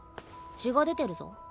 血が出てるぞ。